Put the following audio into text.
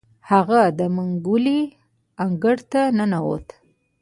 هغه د منګلي انګړ ته ننوت.